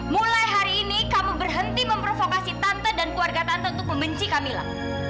mulai hari ini kami berhenti memprovokasi tante dan keluarga tante untuk membenci kamilah